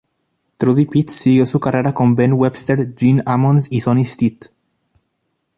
Trudy Pitts siguió su carrera con Ben Webster, Gene Ammons, y Sonny Stitt.